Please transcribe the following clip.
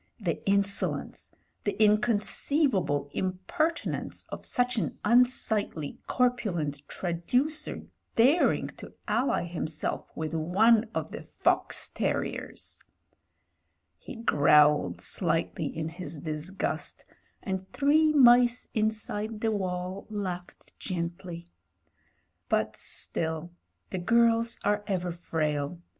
The insolence — ^the inconceivable imperti nence of such an imsightly, corpulent traducer daring to ally himself with One of the Fox Terriers. He 214 MEN, WOMEN AND GUNS growled slightly in his disgust, and three mice inside the wall laughed gently. But — still, the girls are ever frail.